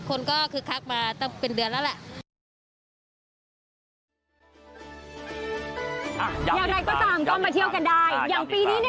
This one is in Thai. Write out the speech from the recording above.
คนก็คึกคักมาเป็นเดือนแล้วแหละ